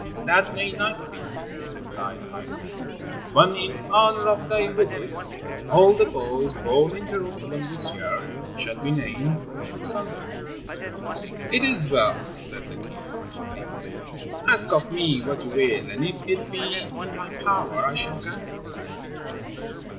"That may not be," replied the high priest, "but in honor of thy visit all the boys born in Jerusalem this year shall be named Alexander." "It is well," said the king, much pleased; "ask of me what you will, and if it be in my power I shall grant it."